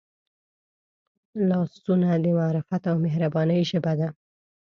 لاسونه د معرفت او مهربانۍ ژبه ده